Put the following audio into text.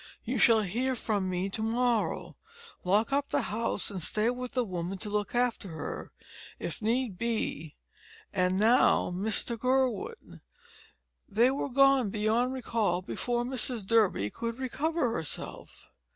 You shall hear from me to morrow. Lock up the house and stay with the woman to look after her, if need be and now, Mr Gurwood." They were gone beyond recall before Mrs Durby could recover herself.